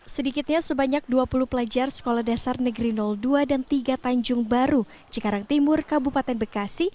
sedikitnya sebanyak dua puluh pelajar sekolah dasar negeri dua dan tiga tanjung baru cikarang timur kabupaten bekasi